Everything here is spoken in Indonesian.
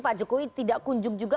pak jokowi tidak kunjung juga